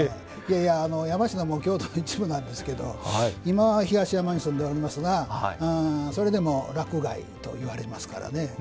山科も京都の一部なんですけど今、東山に住んでおりますがそれでもらく外といわれますからね。